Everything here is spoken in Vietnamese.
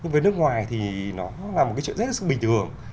với nước ngoài thì nó là một cái chuyện rất bình thường